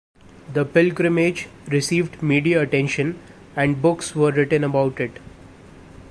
The pilgrimage received media attention and books were written about it.